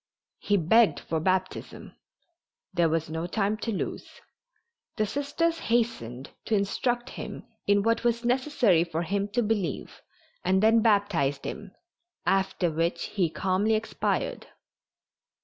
He begged for baptism. There was no time to lose. The Sisters hastened to instruct him in what was necessary for him to believe and then baptized him, after which he calmly expired.